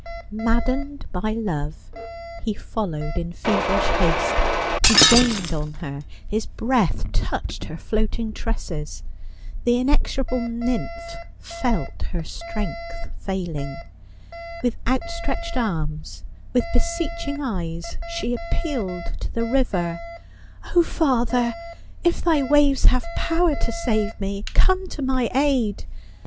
Maddened by love he followed in feverish haste ; he gained on her ; his breath touched her floating tresses. The inexorable nj mpli felt her strength failing ; with outstretched arms, with beseeching eyes, she appealed to the river :" Oh, father, if thy waves have power to save me, come to my aid